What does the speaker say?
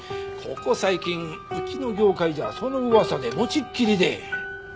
ここ最近うちの業界じゃその噂でもちっきりで。